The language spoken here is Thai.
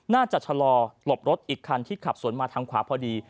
ชะลอหลบรถอีกคันที่ขับสวนมาทางขวาพอดี